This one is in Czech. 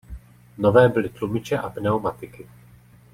Nové byly tlumiče a pneumatiky.